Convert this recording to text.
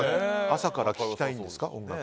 朝から聴きたいんですか？